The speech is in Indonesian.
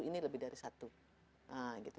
ini lebih dari satu